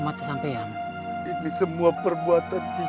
mereka tau semua rencanaku